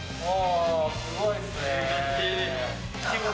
すごいですね。